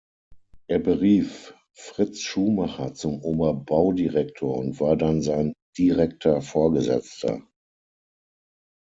Er berief Fritz Schumacher zum Oberbaudirektor und war dann sein direkter Vorgesetzter.